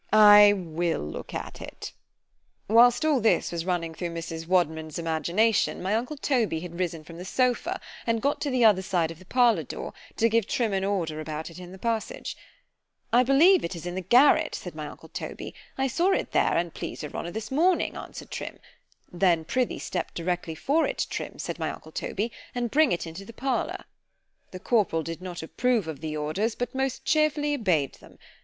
_ ——I will look at it." Whilst all this was running through Mrs. Wadman's imagination, my uncle Toby had risen from the sopha, and got to the other side of the parlour door, to give Trim an order about it in the passage—— *——I believe it is in the garret, said my uncle Toby——I saw it there, an' please your honour, this morning, answered Trim——Then prithee, step directly for it, Trim, said my uncle Toby, and bring it into the parlour. The corporal did not approve of the orders, but most cheerfully obeyed them.